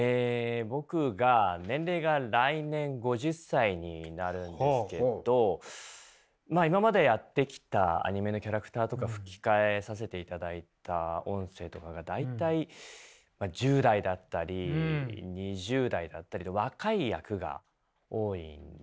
僕が年齢が来年５０歳になるんですけど今までやってきたアニメのキャラクターとか吹き替えさせていただいた音声とかが大体１０代だったり２０代であったりと若い役が多いんですよね。